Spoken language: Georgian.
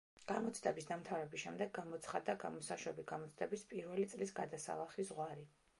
გამოცდების დამთავრების შემდეგ გამოცხადდა გამოსაშვები გამოცდების პირველი წლის გადასალახი ზღვარი.